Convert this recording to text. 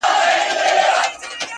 • رنګ به د پانوس نه وي تیاره به وي -